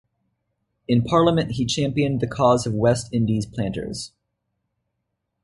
In Parliament he championed the cause of West Indies planters.